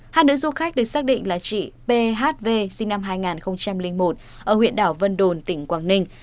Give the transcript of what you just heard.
hai nữ du khách được xác định là chị phv sinh năm hai nghìn một ở huyện đảo vân đồn tỉnh quảng ninh